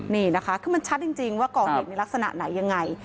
นี่นะคะคือมันชัดจริงว่าก่อเหตุในลักษณะไหนยังไง